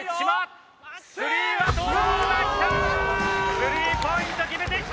スリーポイント決めてきた！